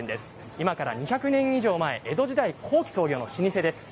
今から２００年以上前江戸時代後期創業の老舗です。